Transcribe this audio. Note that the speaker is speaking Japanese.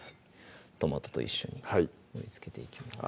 トマトと一緒に盛りつけていきます